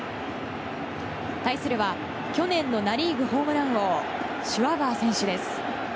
対するは去年のナ・リーグホームラン王シュワバー選手です。